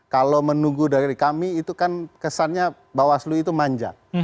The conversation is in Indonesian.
kalau menunggu dari kami itu kan kesannya bawaslu itu manja